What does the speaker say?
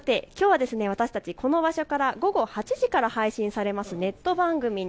さてきょうは私たちこの場所から午後８時から配信されます